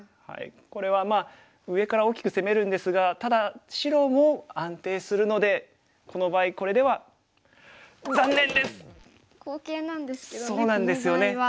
これはまあ上から大きく攻めるんですがただ白も安定するのでこの場合これでは好形なんですけどねこの場合は。